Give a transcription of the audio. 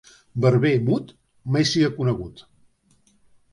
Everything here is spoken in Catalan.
Barber mut mai sia conegut.